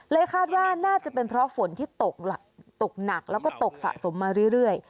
คาดว่าน่าจะเป็นเพราะฝนที่ตกหนักแล้วก็ตกสะสมมาเรื่อย